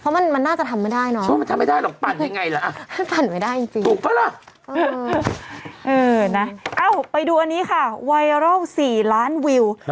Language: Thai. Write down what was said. เพราะมันน่าจะทำไม่ได้เนอะปั่นไม่ได้จริงเออไปดูอันนี้ค่ะไวรัล๔ล้านวิว